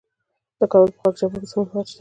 د کابل په خاک جبار کې د سمنټو مواد شته.